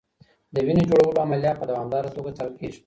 د وینې جوړولو عملیه په دوامداره توګه څارل کېږي.